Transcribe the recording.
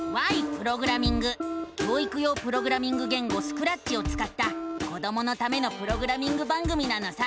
教育用プログラミング言語「スクラッチ」をつかった子どものためのプログラミング番組なのさ！